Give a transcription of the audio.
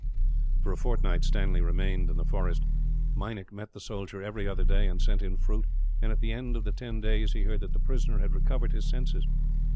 For a fortnight, Stanley remained in the forest. Meinik met the soldier every other day, and sent in fruit and, at the end of the ten days, he heard that the prisoner had recovered his senses.